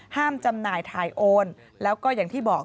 จำหน่ายถ่ายโอนแล้วก็อย่างที่บอก